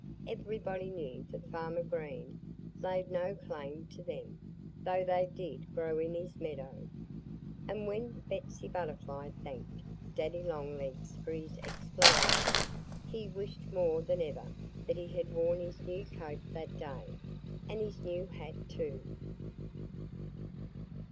Everybody knew that Farmer Green laid no claim to them, though they did grow in his meadow. And when Betsy Butterfly thanked Daddy Longlegs for his explanation he wished more than ever that he had worn his new coat that day and his new hat, too.